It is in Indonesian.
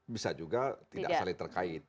bisa juga tidak saling terkait